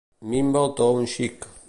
Minva el to un xic.